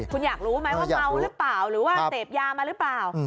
คุณอยากรู้ไหมว่าเมาหรือเปล่าหรือว่าเสพยามาหรือเปล่า